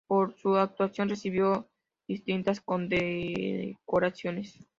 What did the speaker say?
Por su actuación, recibió distintas condecoraciones.